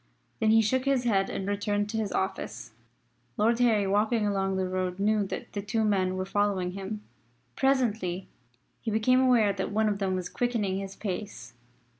Then he shook his head and returned to his office. Lord Harry walking along the road knew that the two men were following him. Presently he became aware that one of them was quickening his pace.